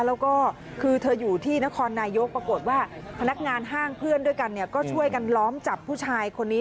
แล้วก็คือเธออยู่ที่นครนายกปรากฏว่าพนักงานห้างเพื่อนด้วยกันเนี่ยก็ช่วยกันล้อมจับผู้ชายคนนี้